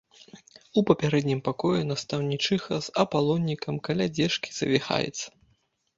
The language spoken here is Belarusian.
У пярэднім пакоі настаўнічыха з апалонікам каля дзежкі завіхаецца.